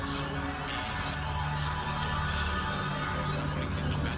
sumpi sebuah orang sebutan